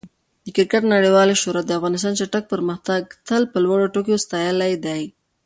د کرکټ نړیوالې شورا د افغانستان چټک پرمختګ تل په لوړو ټکو ستایلی دی.